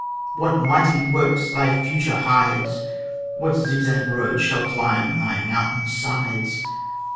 what mighty works thy future hides ! What zigzag roads shall climb thy mountain sides